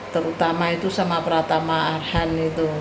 terutama itu sama pratama arhan itu